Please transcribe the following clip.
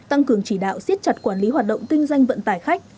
tăng cường chỉ đạo siết chặt quản lý hoạt động kinh doanh vận tải khách